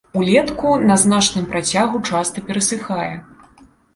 Улетку на значным працягу часта перасыхае.